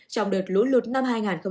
trong đợt lũ lụt năm hai nghìn hai mươi